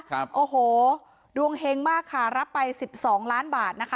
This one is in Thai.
ครับโอ้โหดวงเฮงมากค่ะรับไปสิบสองล้านบาทนะคะ